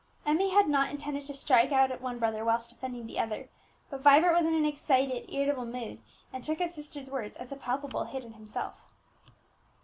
Emmie had not intended to strike at one brother whilst defending the other; but Vibert was in an excited, irritable mood, and took his sister's words as a palpable hit at himself.